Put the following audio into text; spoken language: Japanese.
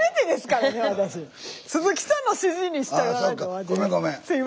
鈴木さんの指示に従わないと。